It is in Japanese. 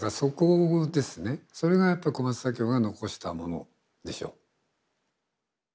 それがやっぱ小松左京が残したものでしょう。